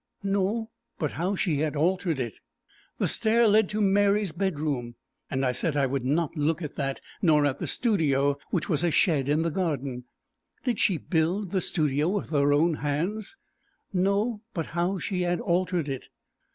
No, but how she had altered it. The stair led to Mary's bedroom, and I said I would not look at that, nor at the studio, which was a shed in the garden. "Did she build the studio with her own hands?" No, but how she had altered it.